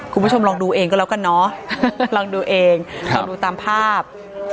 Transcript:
คุณผู้ชมลองดูเองก็แล้วกันเนอะลองดูเองลองดูตามภาพ